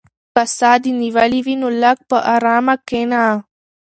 که ساه دې نیولې وي نو لږ په ارامه کښېنه.